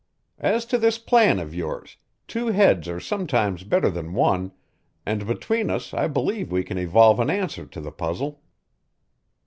As to this plan of yours, two heads are sometimes better than one, and between us I believe we can evolve an answer to the puzzle."